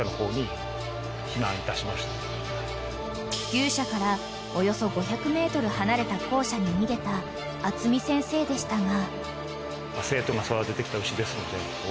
［牛舎からおよそ５００ｍ離れた校舎に逃げた渥美先生でしたが］